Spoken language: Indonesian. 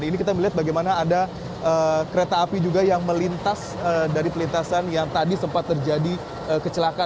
ini kita melihat bagaimana ada kereta api juga yang melintas dari pelintasan yang tadi sempat terjadi kecelakaan